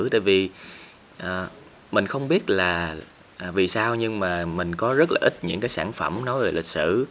tại vì mình không biết là vì sao nhưng mà mình có rất là ít những cái sản phẩm nói về lịch sử